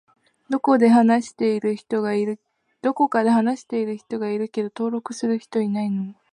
どこかで話している人がいるけど登録する人いないの？